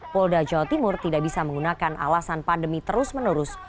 polda jawa timur tidak bisa menggunakan alasan pandemi terus menerus